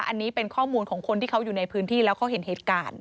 อันนี้เป็นข้อมูลของคนที่เขาอยู่ในพื้นที่แล้วเขาเห็นเหตุการณ์